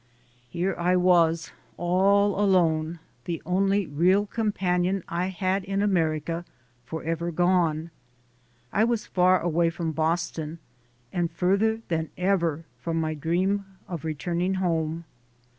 Here I was, all alone, the only real companion I had in America forever gone. I was far away from Boston and farther than ever from my dream of returning home.